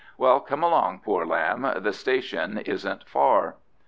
Well, come along, poor lamb, the station isn't far."